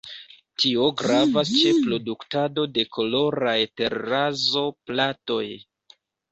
Tio gravas ĉe produktado de koloraj terrazzo-platoj.